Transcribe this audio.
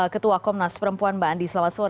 ketua komnas perempuan mbak andi selamat sore